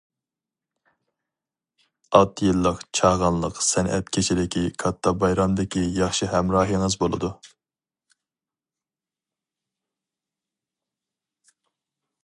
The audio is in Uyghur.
ئات يىللىق چاغانلىق سەنئەت كېچىلىكى كاتتا بايرامدىكى ياخشى ھەمراھىڭىز بولىدۇ.